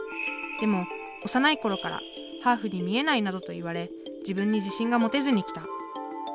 でも幼い頃から「ハーフに見えない」などと言われ自分に自信が持てずにきた。